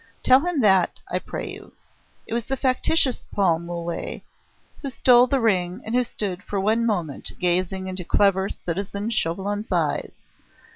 Tell him that, I pray you. It was the factitious Paul Mole who stole the ring and who stood for one moment gazing into clever citizen Chauvelin's eyes.